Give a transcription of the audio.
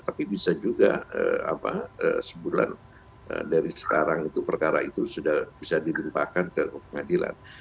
tapi bisa juga sebulan dari sekarang itu perkara itu sudah bisa dilimpahkan ke pengadilan